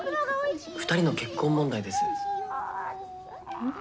２人の結婚問題です。